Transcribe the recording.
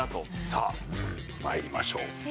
さあ参りましょう。